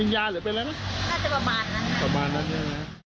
น่าจะประมาณนั้นค่ะ